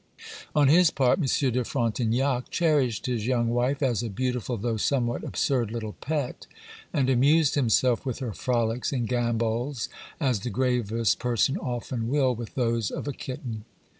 On his part, Monsieur de Frontignac cherished his young wife as a beautiful, though somewhat absurd little pet; and amused himself with her frolics and gambols, as the gravest person often will with those of a kitten.